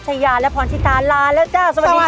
ชายาและพรชิตาลาแล้วจ้าสวัสดีค่ะ